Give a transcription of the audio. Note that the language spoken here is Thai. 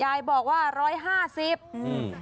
ยายบอกว่า๑๕๐ปี